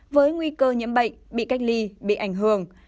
với nguy cơ nhiễm bệnh bị cách ly bị ảnh hưởng